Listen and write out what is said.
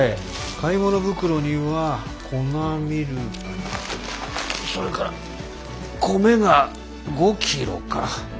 買い物袋には粉ミルクそれから米が５ｋｇか。